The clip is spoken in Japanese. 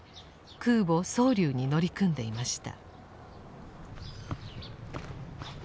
空母「蒼龍」に乗り組んでいました。